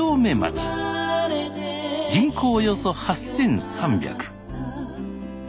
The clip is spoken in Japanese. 人口およそ８，３００。